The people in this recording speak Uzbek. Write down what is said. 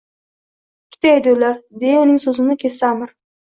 — Ikkita edi ular, — deya uning soʼzini kesdi Аmir